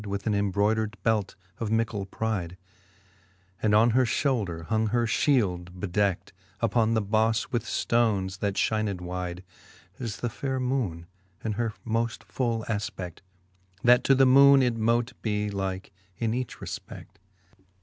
With an embrodered belt of mickell pride ; And on her Ihoulder hung her fhield, bedeckt Uppon the bofle with ftones, that Ihined wide^ As the faire moone in her moft full afpe6J:, That to the moone it mote be like in each refpefl^ IV.